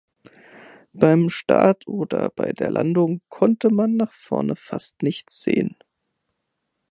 Beim Start oder bei der Landung konnte man nach vorne fast nichts sehen.